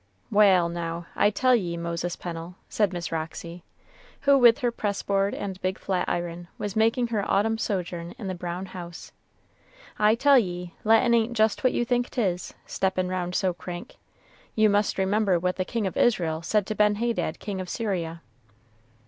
"Wal', now, I tell ye, Moses Pennel," said Miss Roxy, who, with her press board and big flat iron, was making her autumn sojourn in the brown house, "I tell ye Latin ain't just what you think 'tis, steppin' round so crank; you must remember what the king of Israel said to Benhadad, king of Syria."